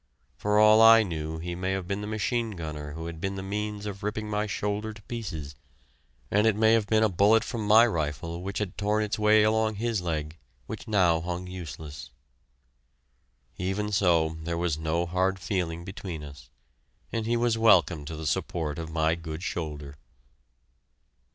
For all I knew, he may have been the machine gunner who had been the means of ripping my shoulder to pieces and it may have been a bullet from my rifle which had torn its way along his leg which now hung useless. Even so, there was no hard feeling between us, and he was welcome to the support of my good shoulder!